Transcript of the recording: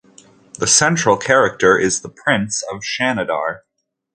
The central character is the prince of Shanadar.